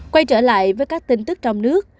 quay trở lại với các tin tức trong nước